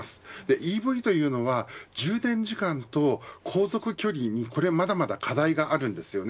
ＥＶというのは充電時間と航続距離、これまだまだ課題があるんですよね。